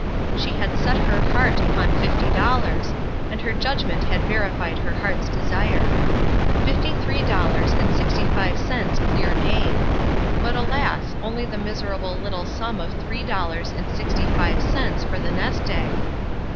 She had set her heart upon fifty dollars, and her judgment had verified her heart's desire. Fifty three dollars and sixty five cents clear gain. But, alas! only the miserable little sum of three dollars and sixty five cents for the nest egg.